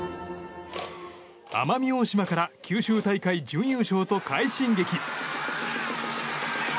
奄美大島から九州大会準優勝と快進撃。